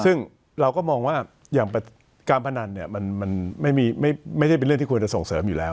ซึ่งเราก็มองว่าอย่างการพนันเนี่ยมันไม่ได้เป็นเรื่องที่ควรจะส่งเสริมอยู่แล้ว